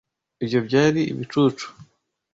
Ibyo byari ibicucu.